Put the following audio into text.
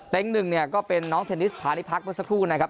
แต่อีกหนึ่งก็เป็นน้องเทนนิสภาริพักษ์เพื่อสักครู่นะครับ